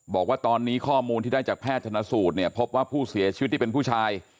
บอกว่าตอนนี้ข้อมูลที่ได้จากแพทย์ชนสูตรเนี่ยพบว่าผู้เสียชีวิตที่เป็นผู้ชาย